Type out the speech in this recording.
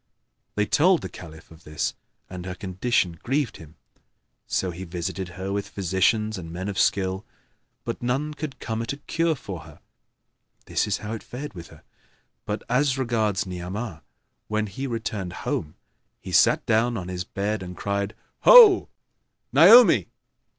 They told the Caliph of this and her condition grieved him; so he visited her with physicians and men of skill, but none could come at a cure for her. This is how it fared with her; but as regards Ni'amah, when he returned home he sat down on his bed and cried, "Ho, Naomi!"